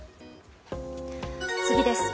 次です。